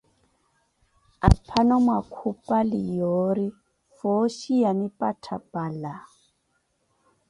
Aphano mwakhupali yoori fooxhi yanipattha pala!